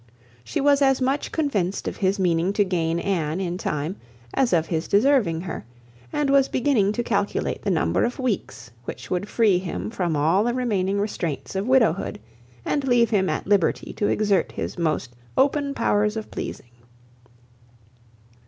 She was as much convinced of his meaning to gain Anne in time as of his deserving her, and was beginning to calculate the number of weeks which would free him from all the remaining restraints of widowhood, and leave him at liberty to exert his most open powers of pleasing.